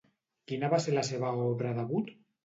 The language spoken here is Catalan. Quina va ser la seva obra debut?